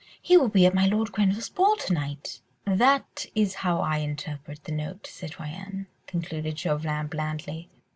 ... He will be at my Lord Grenville's ball to night." "That is how I interpret the note, citoyenne," concluded Chauvelin, blandly.